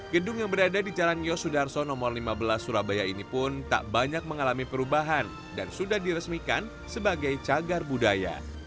gedung yang berada di jalan yosudarso nomor lima belas surabaya ini pun tak banyak mengalami perubahan dan sudah diresmikan sebagai cagar budaya